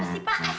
nampak apa sih pak